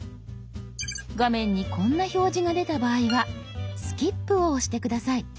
画面にこんな表示が出た場合は「スキップ」を押して下さい。